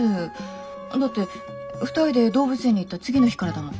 だって２人で動物園に行った次の日からだもん。